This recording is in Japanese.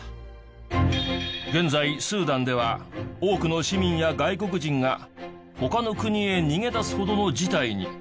現在スーダンでは多くの市民や外国人が他の国へ逃げ出すほどの事態に。